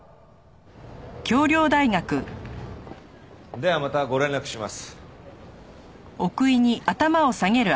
ではまたご連絡します。